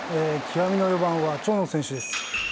極みの４番は長野選手です。